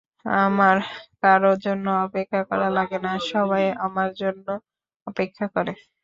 আমার কারও জন্য অপেক্ষা করা লাগে না, সবাই আমার জন্য অপেক্ষা করে।